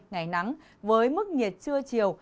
ngày nắng với mức nhiệt trưa chiều